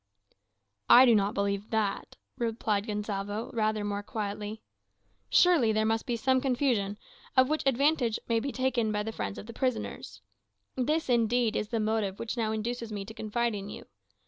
"I do not believe that," replied Gonsalvo, rather more quietly. "Surely there must be some confusion, of which advantage may be taken by friends of the prisoners. This, indeed, is the motive which now induces me to confide in you.